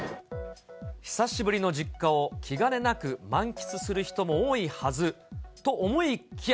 久しぶりの実家を気兼ねなく満喫する人も多いはずと思いきや。